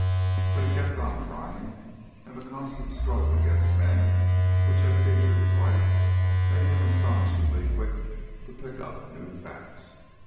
But he kept on trying, and the constant struggle against men which had featured his life made him astonishingly quick to pick up new facts.